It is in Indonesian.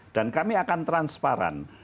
dan kami akan transparan